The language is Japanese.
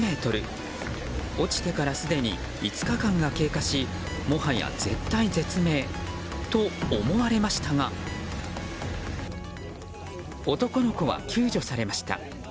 落ちてからすでに５日間が経過しもはや絶体絶命と思われましたが男の子は救助されました。